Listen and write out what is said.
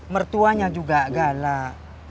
mertuanya juga galak